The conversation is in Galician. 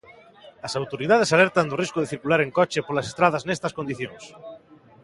As autoridades alertan do risco de circular en coche polas estradas nestas condicións.